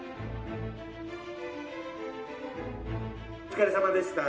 「お疲れさまでした」